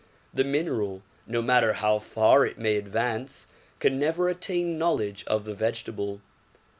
The mineral, no matter how far it may advance can never attain knowledge of the vegetable.